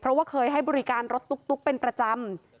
เพราะว่าเคยให้บริการรถตุ๊กเป็นประจำ